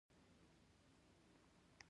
کیدای شي چې انسان په یو شي باندې کار کړی وي.